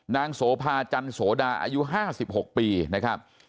โสภาจันโสดาอายุ๕๖ปีนะครับ